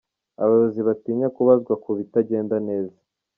Abayobozi batinya kubazwa ku bitagenda neza.